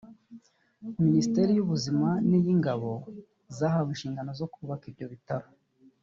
Minisiteri y’Ubuzima n’iy’ingabo zahawe inshingano zo kubaka ibyo bitaro